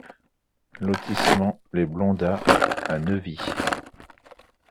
Lotissement Les Blondats à Neuvy